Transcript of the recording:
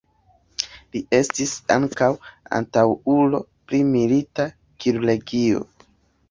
Li estis ankaŭ antaŭulo pri milita kirurgio.